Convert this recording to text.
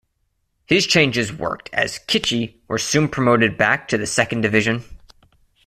His changes worked as Kitchee were soon promoted back to the Second Division.